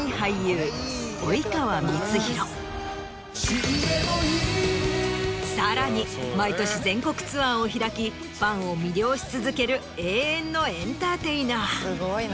“死んでもいい”さらに毎年全国ツアーを開きファンを魅了し続ける永遠のエンターテイナー。